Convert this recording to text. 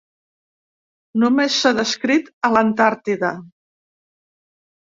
Només s'ha descrit a l'Antàrtida.